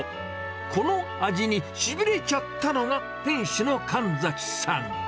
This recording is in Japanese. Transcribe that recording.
この味にしびれちゃったのが、店主の神崎さん。